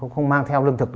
không mang theo lương thực